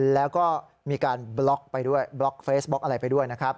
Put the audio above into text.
แล้วก็มีการบล็อกไปด้วยบล็อกเฟซบุ๊กอะไรไปด้วยนะครับ